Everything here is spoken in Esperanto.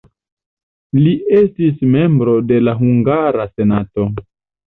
Li estis membro de la hungara senato.